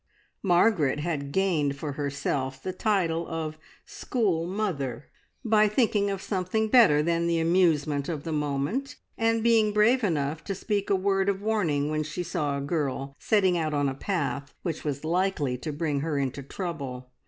Margaret had gained for herself the title of "School Mother", by thinking of something better than the amusement of the moment, and being brave enough to speak a word of warning when she saw a girl setting out on a path which was likely to bring her into trouble.